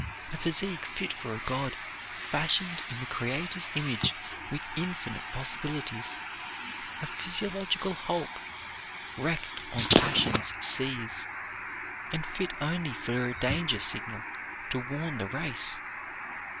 A physique fit for a god, fashioned in the Creator's image, with infinite possibilities, a physiological hulk wrecked on passion's seas, and fit only for a danger signal to warn the race.